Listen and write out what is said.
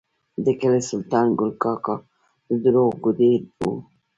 د کلي سلطان ګل کاکا د دروغو ګوډی و.